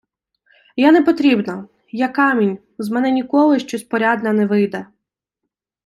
Я непотрібна, я камінь, з мене ніколи щось порядне не вийде!